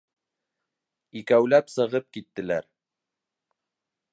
Икәүләп сығып киттеләр.